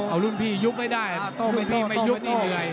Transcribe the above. เอารุ่นพี่ยุบไม่ได้รุ่นพี่ไม่ยุบนี่เหนื่อย